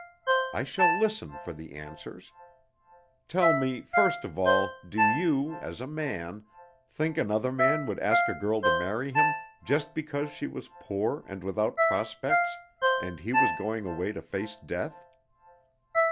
I shall listen for the answers. Tell me, first of all, do you, as a man, think another man would ask a girl to marry him just because she was poor and without prospects, and he was going away to face death?